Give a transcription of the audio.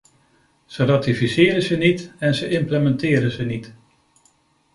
Ze ratificeren ze niet en ze implementeren ze niet.